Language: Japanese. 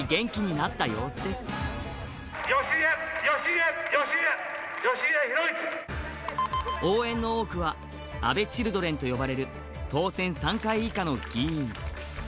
義家、義家、義家、応援の多くは、安倍チルドレンと呼ばれる、当選３回以下の議員。